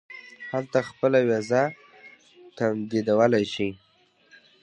هلته خپله وېزه تمدیدولای شم.